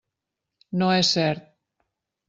No és cert.